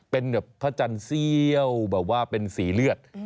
เป็นแบบพระจันทร์เซี่ยวแบบว่าเป็นสีเลือด